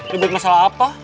ribut masalah apa